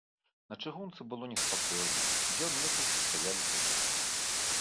На чыгунцы было неспакойна, дзён некалькі стаялі цягнікі.